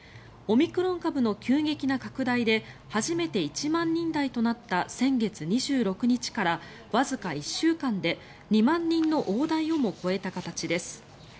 オミクロン株の急激な拡大で初めて１万人台となった先月２６日からわずか１週間で２万人の大台をも超えた形です。